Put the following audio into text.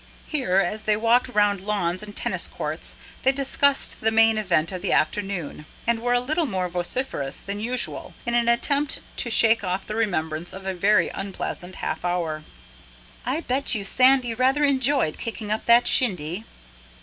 Here, as they walked round lawns and tennis courts, they discussed the main event of the afternoon, and were a little more vociferous than usual, in an attempt to shake off the remembrance of a very unpleasant half hour. "I bet you Sandy rather enjoyed kicking up that shindy."